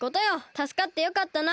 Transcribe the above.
たすかってよかったな。